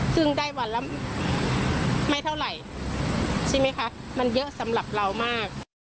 ซึ่งได้วันละไม่เท่าไหร่ใช่ไหมคะมันเยอะสำหรับเรามาก